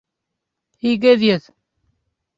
Һигеҙ йөҙ!